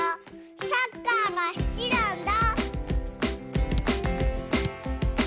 サッカーが好きなんだ。